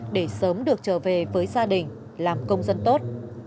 để sớm được trở về với gia đình làm công dân tốt